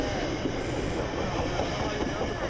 ええ危ない危ない。